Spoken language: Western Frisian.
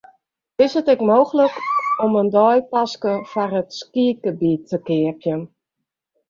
It is ek mooglik om in deipaske foar it skygebiet te keapjen.